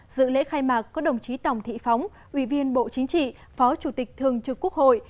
dự lễ khai mạc có đồng chí tổng thị phóng ubnd tp phó chủ tịch thường trực quốc hội